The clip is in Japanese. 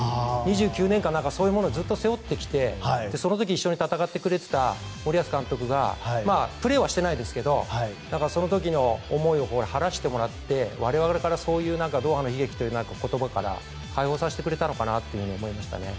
２９年間そういうものを背負ってきてその時、一緒に戦ってくれていた森保監督がプレーはしてないですけどその時の思いを晴らしてもらって我々からそういうドーハの悲劇という言葉から解放させてくれたのかなと思いましたね。